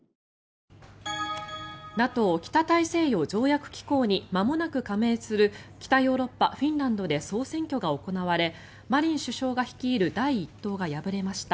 ＮＡＴＯ・北大西洋条約機構にまもなく加盟する北ヨーロッパ、フィンランドで総選挙が行われマリン首相が率いる第１党が敗れました。